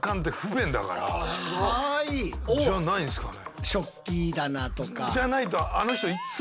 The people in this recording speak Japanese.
じゃないんですかね。